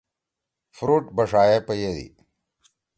فروٹ بݜا ئے پیَدی۔